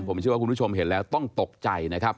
ผมเชื่อว่าคุณผู้ชมเห็นแล้วต้องตกใจนะครับ